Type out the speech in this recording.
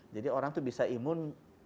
jadi orang itu bisa imun